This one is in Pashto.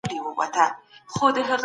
ادم ع د علم په زيور مزين سو.